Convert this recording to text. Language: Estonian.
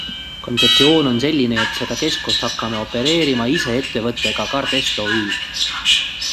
Kontseptsioon on selline, et seda keskust hakkame opereerima ise ettevõttega Gardest OÜ.